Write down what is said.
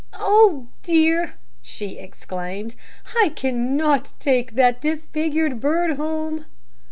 "Oh, dear!" she exclaimed, "I cannot take that disfigured bird home."